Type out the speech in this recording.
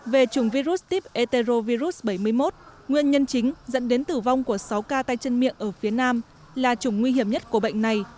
về chủng virus típ eterovirus bảy mươi một nguyên nhân chính dẫn đến tử vong của sáu ca tay chân miệng ở phía nam là chủng nguy hiểm nhất của bệnh này